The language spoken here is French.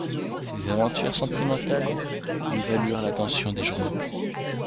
Ses aventures sentimentales lui valurent l'attention des journaux.